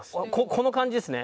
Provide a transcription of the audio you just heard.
この感じですね。